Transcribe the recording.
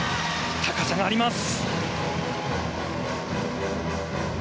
高さがあります。